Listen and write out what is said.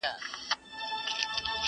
د کښتۍ د چلولو پهلوان یې٫